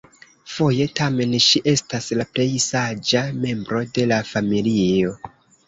Foje tamen ŝi estas la plej saĝa membro de la familio.